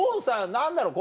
何だろう